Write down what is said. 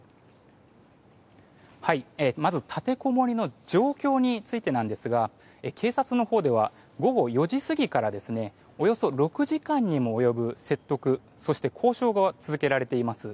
まず立てこもりの状況についてなんですが警察のほうでは午後４時過ぎからおよそ６時間にも及ぶ説得そして交渉が続けられています。